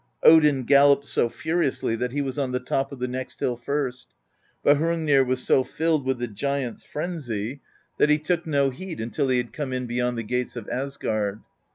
Odin gal loped so furiously that he was on the top of the next hill first; but Hrungnir was so filled with the giant's frenzy ii6 PROSE EDDA that he took no heed until he had come in beyond the gates of Asgard.